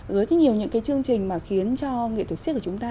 rất nhiều những cái chương trình mà khiến cho nghệ thuật siết của chúng ta